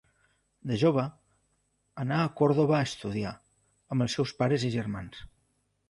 De jove, anà a Còrdova a estudiar, amb els seus pares i germans.